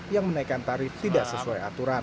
yang menaikkan tarif tidak sesuai aturan